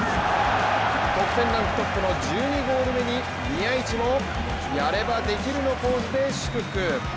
得点ランクトップの１２ゴール目に宮市もやればできるのポーズで祝福。